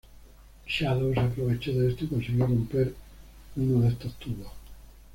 Shadow se aprovechó de esto y consiguió romper uno de estos tubos.